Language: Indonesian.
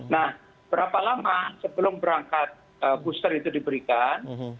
nah berapa lama sebelum berangkat booster itu diberikan